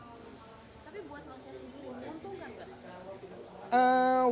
tapi buat manusia sendiri menguntungkan nggak